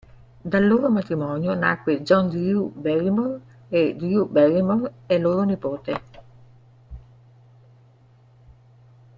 Dal loro matrimonio nacque John Drew Barrymore e Drew Barrymore è loro nipote.